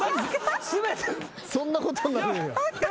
そんなことになるんや。